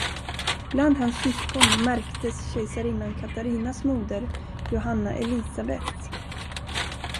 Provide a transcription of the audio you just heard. Bland hans syskon märkes kejsarinnan Katarinas moder Johanna Elisabet.